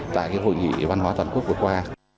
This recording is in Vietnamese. tại cái hội nghị văn hóa toàn quốc vừa qua